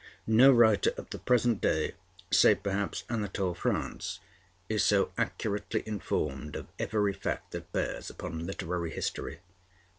No writer of the present day, save perhaps Anatole France, is so accurately informed of every fact that bears upon literary history.